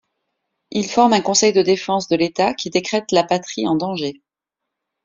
Il forme un conseil de défense de l'état qui décrète la patrie en danger.